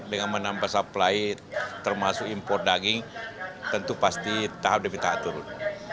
dengan menambah supply termasuk impor daging tentu pasti tahap demi tahap turun